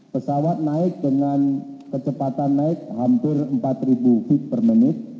pesawat naik dengan kecepatan naik hampir empat ribu feet per menit